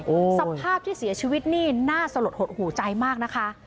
โอ้โหสภาพที่เสียชีวิตนี่น่าสลดหดหูใจมากนะคะ